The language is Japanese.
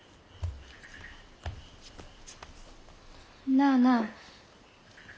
なあなあ。